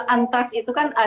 antrax itu kan berbeda